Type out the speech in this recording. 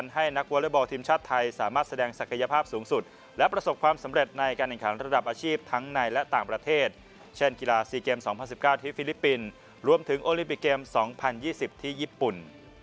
ฮิลิปปินส์รวมถึงโอลิมปิกเกม๒๐๒๐ที่ญี่ปุ่น